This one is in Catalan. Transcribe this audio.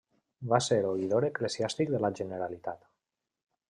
Va ser oïdor eclesiàstic de la Generalitat.